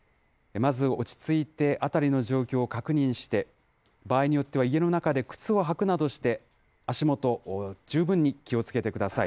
まず落ち着いて辺りの状況を確認して、場合によっては、家の中で靴を履くなどして足元、十分に気をつけてください。